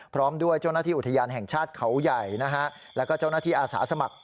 พร้อมด้วยเจ้าหน้าที่อุทยานแห่งชาติเขาใหญ่นะฮะแล้วก็เจ้าหน้าที่อาสาสมัคร